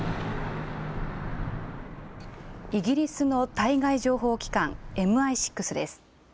イギリスの対外情報機関、ＭＩ６です。